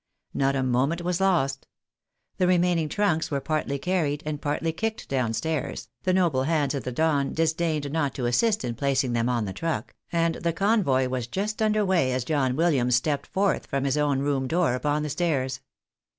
Not a moment was lost. The remaining trunks were partly carried and partly kicked down stairs, the noble hands of the Don disdained not to assist in placing them on the truck, and the convoy was just under way as John Williams stepped forth from his own room door upon the stairs.